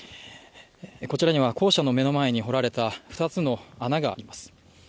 こちらには校舎の目の前に掘られた二つの穴があります。